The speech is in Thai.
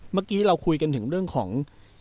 เมื่อกี้เราคุยกันถึงเรื่องของ